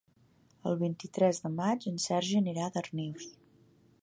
El vint-i-tres de maig en Sergi anirà a Darnius.